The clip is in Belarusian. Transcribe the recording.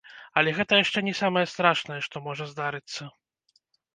Але гэта яшчэ не самае страшнае, што можа здарыцца.